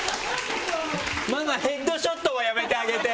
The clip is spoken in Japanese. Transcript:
ママ、ヘッドショットはやめてあげて！